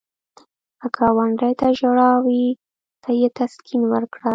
که ګاونډي ته ژړا وي، ته یې تسکین ورکړه